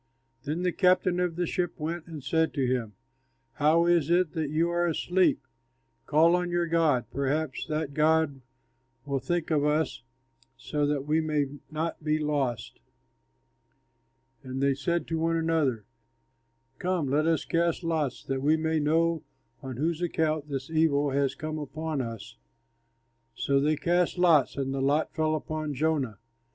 Then the captain of the ship went and said to him, "How is it that you are asleep? Call on your god; perhaps that god will think of us, so that we may not be lost." And they said to one another, "Come, let us cast lots, that we may know on whose account this evil has come upon us." So they cast lots, and the lot fell upon Jonah.